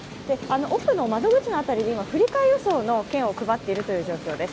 奥の窓口の辺りで振り替え輸送の券を配っている状況です。